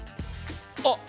あっ！